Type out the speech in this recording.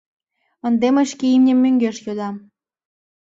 Ынде мый шке имнем мӧҥгеш йодам.